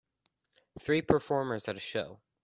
Three performers at a show.